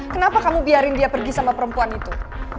kenapa kamu biarin dia pergi sama perempuan itu